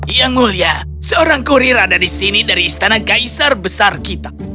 yang mulia seorang kurir ada di sini dari istana kaisar besar kita